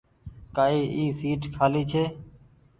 ڪآئي اي سيٽ کآلي ڇي۔